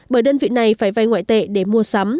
bởi đơn vị này phải vay ngoại tệ để mua sắm